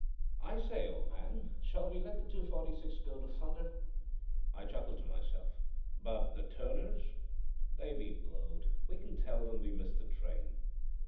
"I say, old man, shall we let the 2.46 go to thunder?" I chuckled to myself. "But the Turners?" "They be blowed, we can tell them we missed the train."